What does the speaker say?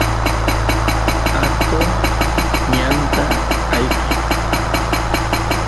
atoq ñanta ayqen